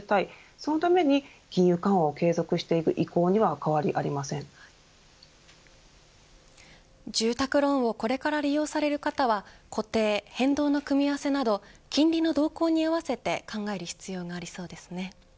そのために金融緩和を継続していく意向には住宅ローンをこれから利用される方は固定、変動の組み合わせなど金利の動向に合わせて考える必要がありそうですね。